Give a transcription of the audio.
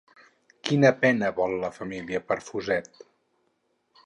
Quina pena vol la família per Fuset?